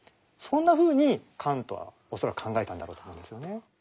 そんなふうにカントは恐らく考えたんだろうと思うんですよね。